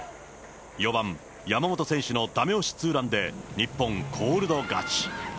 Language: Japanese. ４番山本選手のだめ押しツーランで、日本、コールド勝ち。